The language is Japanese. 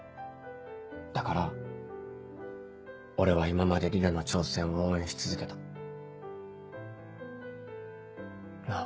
だから俺は今まで里奈の挑戦を応援し続けた。なぁ。